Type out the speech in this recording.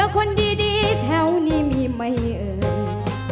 คือร้องได้ให้ร้อง